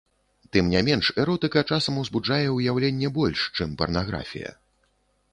Тым не менш эротыка часам узбуджае ўяўленне больш, чым парнаграфія.